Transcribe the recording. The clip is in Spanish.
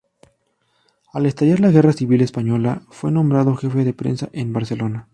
Al estallar la Guerra Civil Española fue nombrado jefe de prensa en Barcelona.